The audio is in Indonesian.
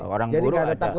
orang buruh ada